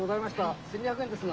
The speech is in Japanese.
１，２００円ですが。